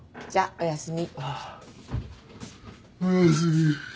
おやすみ。